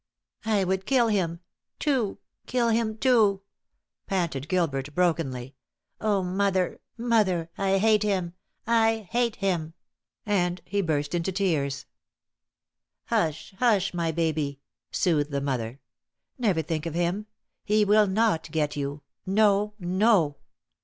"I would kill him, too kill him, too!" panted Gilbert, brokenly. "Oh, mother, mother! I hate him! I hate him!" and he burst into tears. "Hush, hush, my baby!" soothed the mother. "Never think of him. He will not get you. No, no."